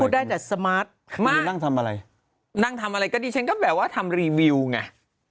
ได้แต่สมาร์ทไม่นั่งทำอะไรนั่งทำอะไรก็ดีฉันก็แบบว่าทำรีวิวไง